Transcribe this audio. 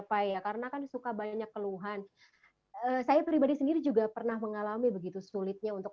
pak ya karena kan suka banyak keluhan saya pribadi sendiri juga pernah mengalami begitu sulitnya untuk